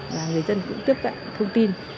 người dân cũng tiếp cận thông tin